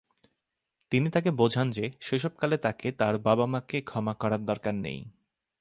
তিনি তাকে বোঝান যে শৈশবকালে তাকে তার বাবা-মা'কে ক্ষমা করার দরকার নেই।